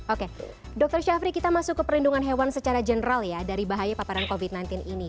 oke dr syafri kita masuk ke perlindungan hewan secara general ya dari bahaya paparan covid sembilan belas ini